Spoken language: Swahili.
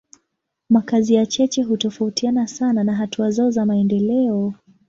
Makazi ya cheche hutofautiana sana na hatua zao za maendeleo.